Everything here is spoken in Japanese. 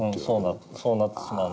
そうなってしまうんですよね。